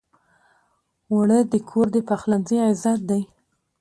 اوړه د کور د پخلنځي عزت دی